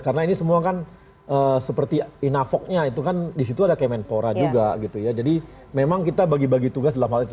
karena ini semua kan seperti inavok nya itu kan di situ ada kemenpora juga jadi memang kita bagi bagi tugas dalam hal itu